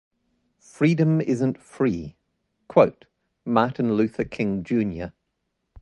Freedom isn't free. Quote- Martin Luther King Jr.